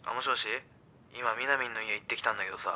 今みなみんの家行ってきたんだけどさ。